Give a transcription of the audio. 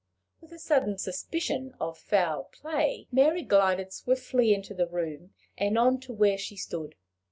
With a sudden suspicion of foul play, Mary glided swiftly into the room, and on to where she stood.